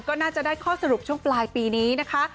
ก็น่าจะได้ข้อสรุปช่วงปลายปีนี้นะคะ